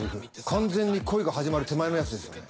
完全に恋が始まる手前のやつですよね。